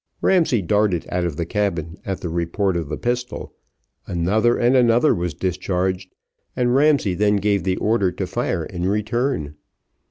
Ramsay darted out of the cabin, at the report of the pistol, another and another was discharged, and Ramsay then gave the order to fire in return.